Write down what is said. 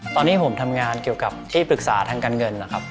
ตอนนี้ผมทำงานเกี่ยวกับที่ปรึกษาทางการเงินนะครับ